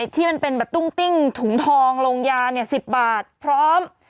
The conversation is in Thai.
ที่มันเป็นแบบตุ้งติ้งถุงทองลงยา๑๐บาทพร้อม